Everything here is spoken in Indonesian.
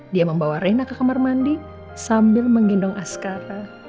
dia membawa rena ke kamar mandi sambil menggindong askara